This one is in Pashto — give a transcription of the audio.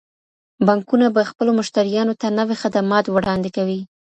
بانکونه به خپلو مشتريانو ته نوي خدمات وړاندي کوي.